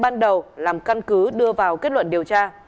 ban đầu làm căn cứ đưa vào kết luận điều tra